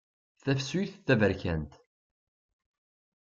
Tafsut taberkant.